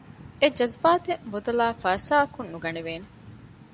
އެޖަޒްބާތެއް މުދަލާއި ފައިސާއަކުން ނުގަނެވޭނެ